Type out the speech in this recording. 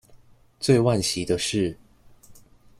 最惋惜的是